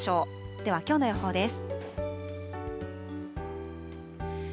ではきょうの予報です。